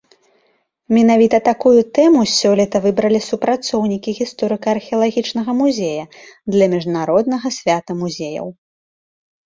Менавіта такую тэму сёлета выбралі супрацоўнікі гісторыка-археалагічнага музея для міжнароднага свята музеяў.